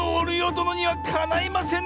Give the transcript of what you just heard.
どのにはかないませぬ！